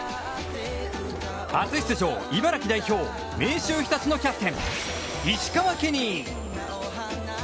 初出場、茨城代表・明秀日立のキャプテン、石川ケニー。